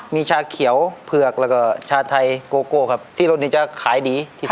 มีชาเขียวเผือกแล้วก็ชาไทยโกโก้ครับที่รถนี้จะขายดีที่สุด